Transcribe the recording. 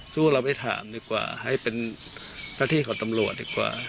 สู้เราไม่ถามดีกว่าให้เป็นทัศน์ที่ของตำรวจดีกว่า